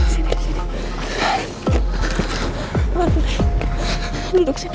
duduk sini duduk sini